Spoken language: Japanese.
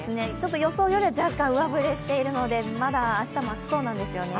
予想よりは若干上振れしているので、まだ明日も暑そうなんですよね。